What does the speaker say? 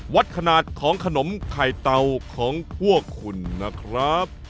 วัดขนาดของขนมไข่เตาของพวกคุณนะครับ